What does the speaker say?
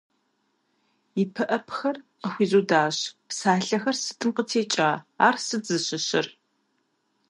«И пыӀэпхэр къыхуизудащ» - псалъэхэр сытым къытекӀа, ар сыт зищӀысыр?